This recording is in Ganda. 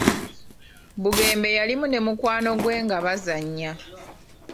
Bugembe yalimu ne mukwano gwe nga bazannya.